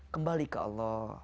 kembali ke allah